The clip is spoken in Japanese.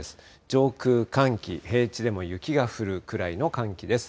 上空寒気、平地でも雪が降るくらいの寒気です。